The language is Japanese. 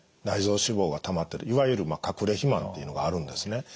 内臓脂肪がたまってるいわゆる隠れ肥満っていうのがあるんですね。